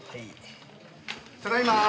ただいまー。